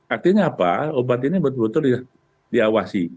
artinya apa obat ini betul betul diawasi